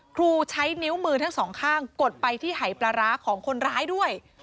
ครูใช้นิ้วมือทั้งสองข้างกดไปที่หายปลาร้าของคนร้ายด้วย